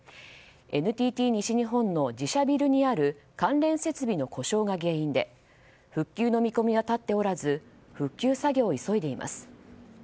ＮＴＴ西日本の自社ビルにある関連設備の故障が原因で復旧の見込みは立っておらず復旧作業を急いでいます。